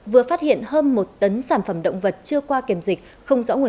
vừa phát hiện hơn một tấn sản phẩm động vật chưa qua kiểm dịch